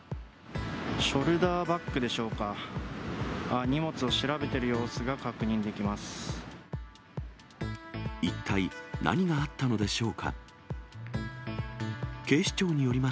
ショルダーバッグでしょうか、荷物を調べてる様子が確認できます。